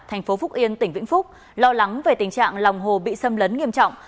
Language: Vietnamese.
thành phố phúc yên tỉnh vĩnh phúc lo lắng về tình trạng lòng hồ bị xâm lấn nghiêm trọng